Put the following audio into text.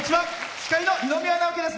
司会の二宮直輝です。